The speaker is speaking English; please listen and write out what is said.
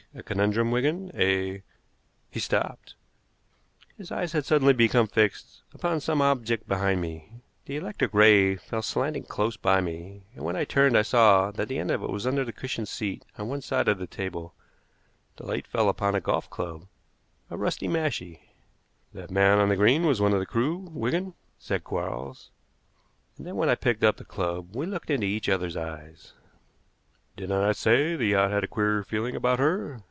A conundrum, Wigan. A " He stopped. His eyes had suddenly become fixed upon some object behind me. The electric ray fell slanting close by me, and when I turned I saw that the end of it was under the cushioned seat on one side of the table. The light fell upon a golf club a rusty mashie. "That man on the green was one of the crew, Wigan," said Quarles; and then when I picked up the club we looked into each other's eyes. "Did I not say the yacht had a queer feeling about her?"